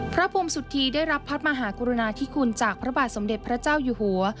พระพรมสุธีได้รับพระมหากรุณาธิคุณจากพระบาทสมเด็จพระเจ้าอยู่หัว